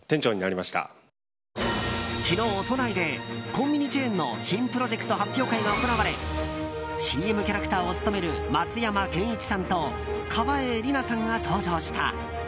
昨日、都内でコンビニチェーンの新プロジェクト発表会が行われＣＭキャラクターを務める松山ケンイチさんと川栄李奈さんが登場した。